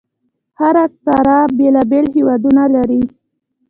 هره قاره بېلابېل هیوادونه لري.